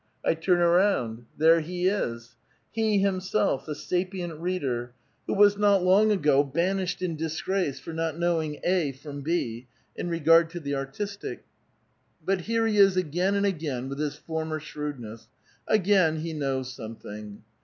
I turn around; there be is ! He, himself, the sapient reader, who was not long ago banished in disgrace for not knowing A from B,^ in regard to the artistic, but here he is again and again with his former shrewdness. Again he knows something